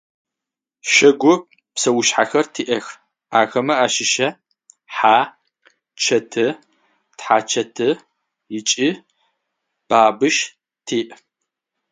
Щэгум псэушъхьэхэр тиӏэх. Ахэмэ ащыщэ: хьа, чэты, тхъачэты икӏи бабыщ тиӏ.